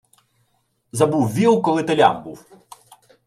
Забув віл, коли телям був.